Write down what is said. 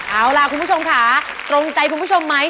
เอาล่ะคุณผู้ชมค่ะตรงใจคุณผู้ชมไหม